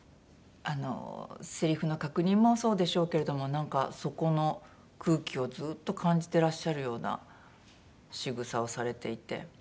セリフの確認もそうでしょうけれどもなんかそこの空気をずっと感じてらっしゃるようなしぐさをされていて。